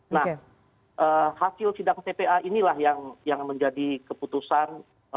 nah hasil sidang tpa inilah yang menjadi keputusan